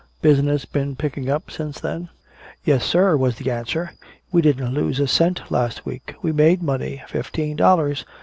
Business been picking up any since then?" "Yes, sir!" was the answer. "We didn't lose a cent last week! We made money! Fifteen dollars!"